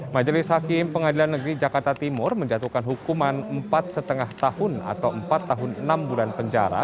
majelis hakim pengadilan negeri jakarta timur menjatuhkan hukuman empat lima tahun atau empat tahun enam bulan penjara